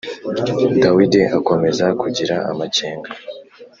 Dawidi akomeza kugira amakenga